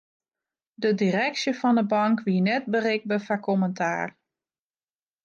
De direksje fan 'e bank wie net berikber foar kommentaar.